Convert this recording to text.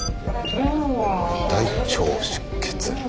大腸出血。